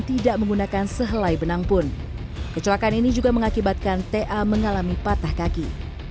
tidak menggunakan sehelai benang pun kecelakaan ini juga mengakibatkan ta mengalami patah kaki